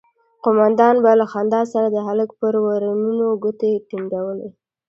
قومندان به له خندا سره د هلک پر ورنونو گوتې ټينگولې.